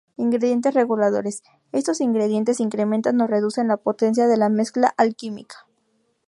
Ingredientes reguladores: Estos ingredientes incrementan o reducen la potencia de la mezcla alquímica.